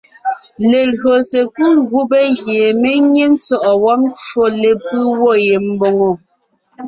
Legÿo sekúd gubé gie mé nyé ntsɔ̂ʼɔ wɔ́b ncwò lepʉ́ gwɔ̂ ye mbòŋo,